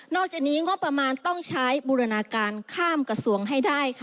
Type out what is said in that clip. อกจากนี้งบประมาณต้องใช้บูรณาการข้ามกระทรวงให้ได้